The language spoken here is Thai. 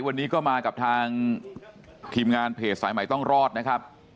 วันนี้ก็มากับทางทีมงานเพจสายใหม่ต้องรอดนะครับ